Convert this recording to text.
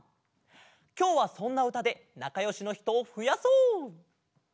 きょうはそんなうたでなかよしのひとをふやそう！